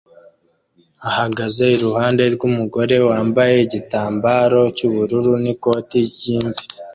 ahagaze iruhande rw'umugore wambaye igitambaro cy'ubururu n'ikoti ry'imvi